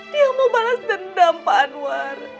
dia mau balas dendam pak anwar